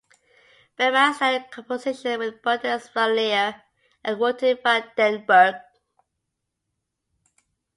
Berman studied composition with Bertus van Lier and Wouter van den Berg.